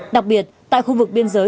đặc biệt tại khu vực biên giới